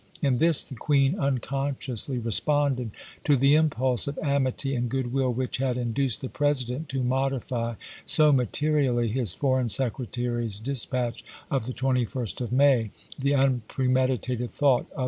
In this the Queen un consciously responded to the impulse of amity and good will which had induced the President to mod ify so materially his foreign secretary's dispatch of the 21st of May, the unpremeditated thought of isei.